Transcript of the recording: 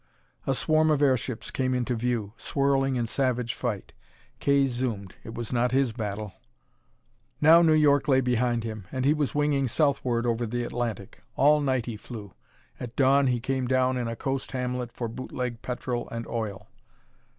A swarm of airships came into view, swirling in savage fight. Kay zoomed. It was not his battle. Now New York lay behind him, and he was winging southward over the Atlantic. All night he flew. At dawn he came down in a coast hamlet for bootleg petrol and oil.